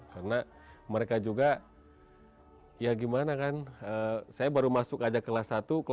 karena mereka juga ya gimana kan saya baru masuk aja kelas satu